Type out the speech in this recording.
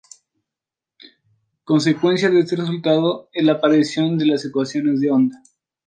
Consecuencia de este resultado es la aparición de las ecuaciones de onda.